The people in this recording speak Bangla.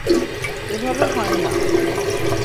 এভাবে হয় না।